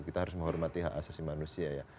kita harus menghormati hak asasi manusia ya